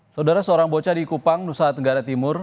saudara seorang bocah di kupang nusa tenggara timur